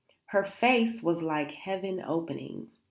Her face was like heaven opening.